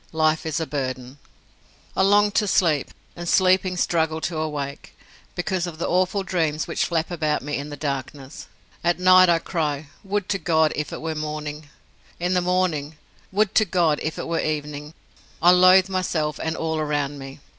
Life is a burden. I long to sleep, and sleeping struggle to awake, because of the awful dreams which flap about me in the darkness. At night I cry, "Would to God it were morning!" In the morning, "Would to God it were evening!" I loathe myself, and all around me.